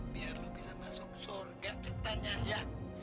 biar lo bisa masuk surga ketanyaan ya